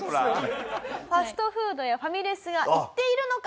ファストフードやファミレスは行っているのか？